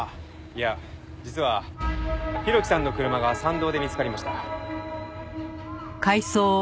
いや実は浩喜さんの車が山道で見つかりました。